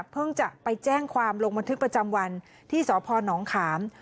จะไปแจ้งความลงบันทึกประจำวันที่สพนขาม